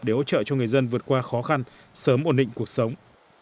để hỗ trợ cho người dân vượt qua khó khăn sớm ổn định cuộc sống